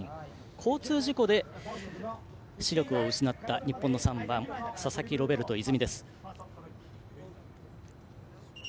交通事故で視力を失った日本の３番、佐々木ロベルト泉。